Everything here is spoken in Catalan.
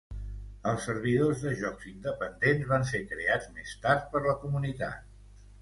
Els servidors de jocs independents van ser creats més tard per la comunitat.